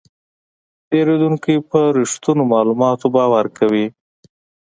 پیرودونکی په رښتینو معلوماتو باور کوي.